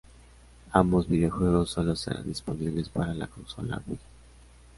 Ambos videojuegos solo estarán disponibles para la consola Wii.